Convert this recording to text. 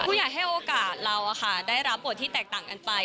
ผู้ใหญ่ให้โอกาสเราได้รับบทที่แตกต่างกันไป